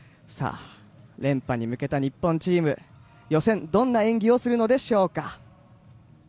連覇に向けた日本チーム予選、どんな演技をするのでしょうか。